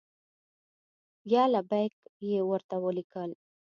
یا لبیک! یې ورته ولیکل.